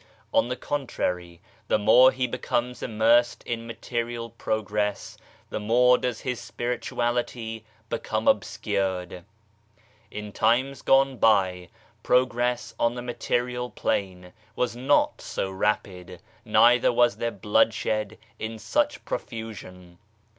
On the contrary, the more he becomes immersed in material progress, the more does his Spirituality become obscured. In times gone by progress on the material plane was not so rapid, neither was there bloodshed in such profusion.